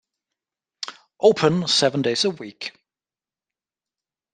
Open seven days a week.